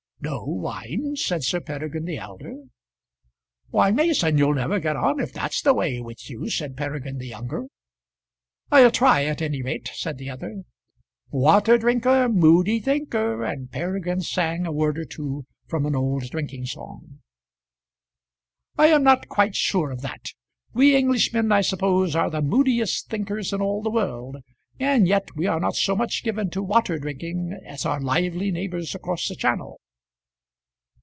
"No wine!" said Sir Peregrine the elder. "Why, Mason, you'll never get on if that's the way with you," said Peregrine the younger. "I'll try at any rate," said the other. "Water drinker, moody thinker," and Peregrine sang a word or two from an old drinking song. "I am not quite sure of that. We Englishmen I suppose are the moodiest thinkers in all the world, and yet we are not so much given to water drinking as our lively neighbours across the Channel."